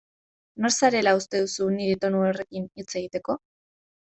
Nor zarela uste duzu niri tonu horrekin hitz egiteko?